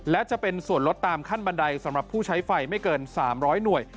และจะเป็นส่วนลดตามขั้นบันไดสำหรับผู้ใช้ไฟไม่เกิน๓๐๐หน่วย